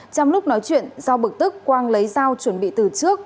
trong lúc nói chuyện do bực tức quang lấy dao chuẩn bị từ trước